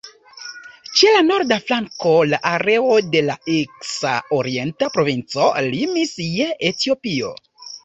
Ĉe la norda flanko la areo de la eksa orienta provinco limis je Etiopio.